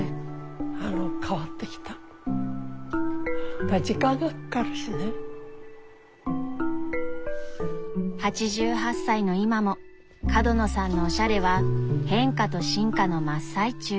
やっぱりだから８８歳の今も角野さんのおしゃれは変化と進化の真っ最中。